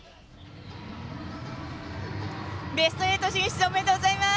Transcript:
ベスト８進出おめでとうございます。